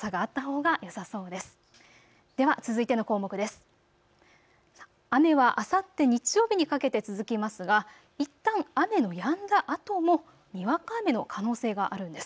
雨はあさって日曜日にかけて続きますが、いったん雨のやんだあとも、にわか雨の可能性があるんです。